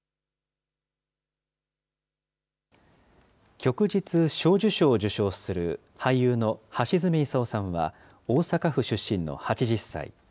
旭日小綬章を受章する俳優の橋爪功さんは、大阪府出身の８０歳。